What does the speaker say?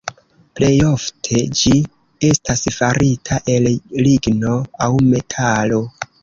Plejofte ĝi estas farita el ligno aŭ metalo.